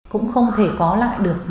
cũng không thể có lại được